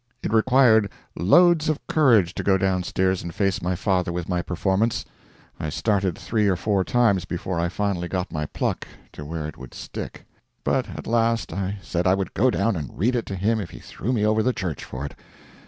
It required loads of courage to go downstairs and face my father with my performance. I started three or four times before I finally got my pluck to where it would stick. But at last I said I would go down and read it to him if he threw me over the church for it.